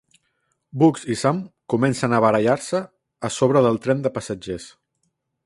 Bugs i Sam comencen a barallar-se a sobre del tren de passatgers.